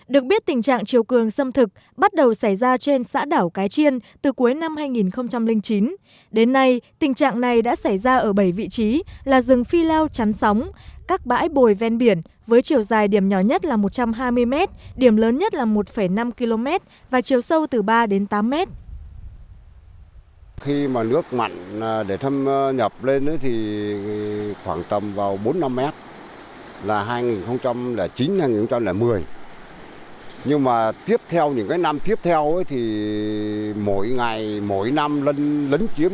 được biết tình trạng chiều cường xâm thực bắt đầu xảy ra trên xã đảo cái chiên từ cuối năm hai nghìn chín đến nay tình trạng này đã xảy ra ở bảy vị trí là rừng phi lao chắn sóng các bãi bồi ven biển với chiều dài điểm nhỏ nhất là một trăm hai mươi m điểm lớn nhất là một năm km và chiều sâu từ ba đến tám m